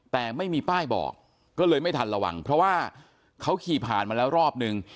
แต่ไม่มีป้ายบอกก็เลยไม่ทันระวังเพราะว่าเขาขี่ผ่านมาแล้วรอบนึง